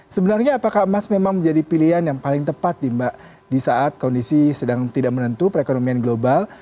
sebenarnya apakah emas memang menjadi pilihan yang paling tepat di saat kondisi sedang tidak menentu perekonomian global